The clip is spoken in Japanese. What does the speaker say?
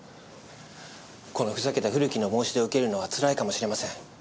このふざけた古木の申し出を受けるのはつらいかもしれません。